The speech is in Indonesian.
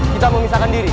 kita memisahkan diri